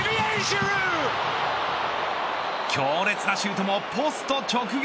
強烈なシュートもポスト直撃。